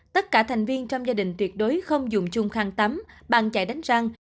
tất cả thành viên trong gia đình tuyệt đối không dùng chung khang tắm bằng chạy đánh răng